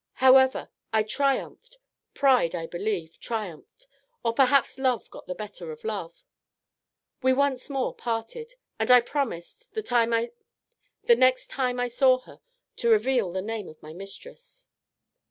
However, I triumphed; pride, I believe, triumphed, or perhaps love got the better of love. We once more parted, and I promised, the next time I saw her, to reveal the name of my mistress.